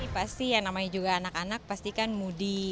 pasti yang namanya juga anak anak pasti kan moody